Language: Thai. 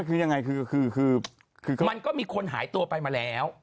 คือยังไงคือมันก็มีคนหายตัวไปมาแล้ว